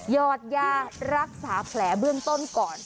อดยารักษาแผลเบื้องต้นก่อน